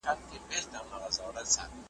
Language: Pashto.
نو د وینو په سېلاب کي ستاسی کوردی ,